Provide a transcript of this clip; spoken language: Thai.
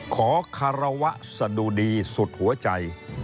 ขอคารวะสะดุดีสุดหัวใจ